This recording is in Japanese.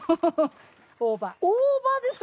大葉ですか！